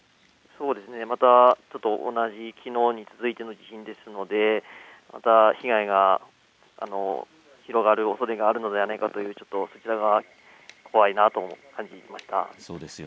またきのうに続いての地震ですので、また被害が広がるおそれがあるのではないかとそれが怖いなと感じました。